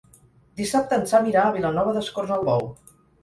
Dissabte en Sam irà a Vilanova d'Escornalbou.